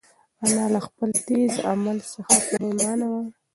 انا له خپل تېز عمل څخه پښېمانه وه.